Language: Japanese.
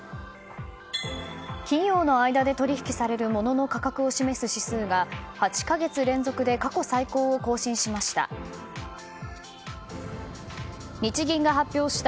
企業の間で取引されるものの価格を示す指数が８か月連続で過去最高を更新しました。